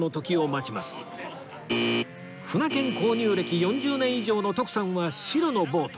舟券購入歴４０年以上の徳さんは白のボート